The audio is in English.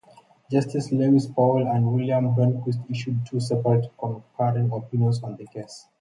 Justices Lewis Powell and William Rehnquist issued two separate concurring opinions on the case.